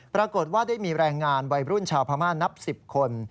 ปรากฏว่าได้มีแรงงานวัยรุ่นชาวพม่านับ๑๐คน